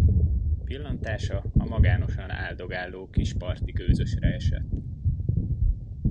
Pillantása a magánosan álldogáló kis parti gőzösre esett.